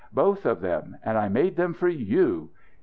Both of them. And I made them for _you.